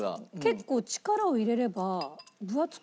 結構力を入れれば分厚くいけるのか。